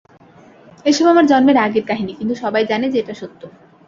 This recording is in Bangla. এসব আমার জন্মের আগের কাহিনী, কিন্তু সবাই জানে যে এটা সত্য।